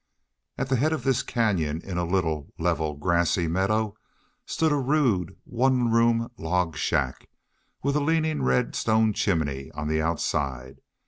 At the head of this canyon in a little, level, grassy meadow stood a rude one room log shack, with a leaning red stone chimney on the outside.